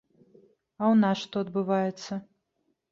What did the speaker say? А ў нас што адбываецца?